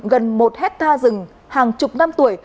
gần một hectare rừng hàng chục năm tuổi